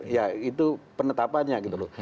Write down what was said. ya itu penetapannya gitu loh